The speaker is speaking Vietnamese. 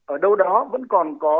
ở đâu đó vẫn còn có